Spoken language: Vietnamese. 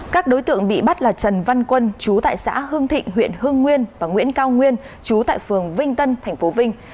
các đối tượng bị bắt là trần văn quân chú tại xã hương thịnh huyện hưng nguyên và nguyễn cao nguyên chú tại phường vinh tân tp vinh